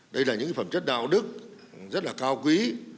đây là những phẩm chất đạo đức rất là cao quý